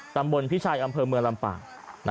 ตำบลพิชัยอำเภอเมืองลำปาง